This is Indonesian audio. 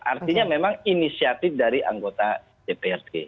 artinya memang inisiatif dari anggota dprd